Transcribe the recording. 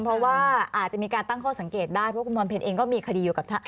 เพราะว่าอาจจะมีการตั้งข้อสังเกตได้เพราะคุณพรเพลเองก็มีคดีอยู่กับ